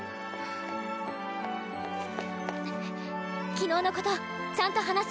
昨日のことちゃんと話そ。